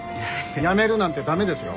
やめるなんて駄目ですよ。